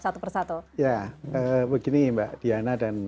satu persatu ya begini mbak diana dan